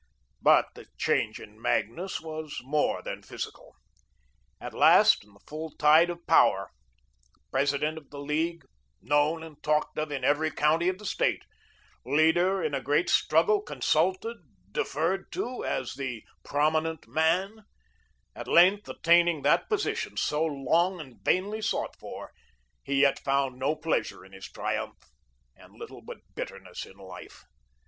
But the change in Magnus was more than physical. At last, in the full tide of power, President of the League, known and talked of in every county of the State, leader in a great struggle, consulted, deferred to as the "Prominent Man," at length attaining that position, so long and vainly sought for, he yet found no pleasure in his triumph, and little but bitterness in life.